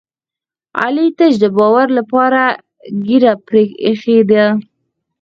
علي تش د باور لپاره ږېره پرې ایښې ده.